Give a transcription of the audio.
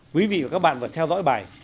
quý vị và các bạn vừa theo dõi bài